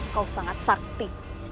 kau sangat sakti